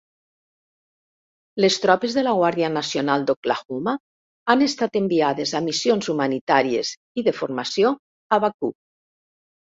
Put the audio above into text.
Les tropes de la Guàrdia Nacional d'Oklahoma han estat enviades a missions humanitàries i de formació a Baku.